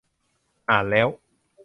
อ่านแล้ว